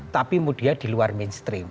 tapi mudiah di luar mainstream